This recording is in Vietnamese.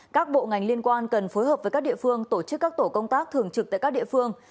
các bộ ngành liên quan cần phối hợp với các địa phương tổ chức các tổ công tác thường trực tại các địa phương